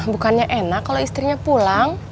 bukannya enak kalau istrinya pulang